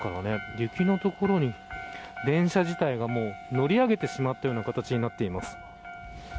雪の所に電車自体が乗り上げてしまったような形になっています。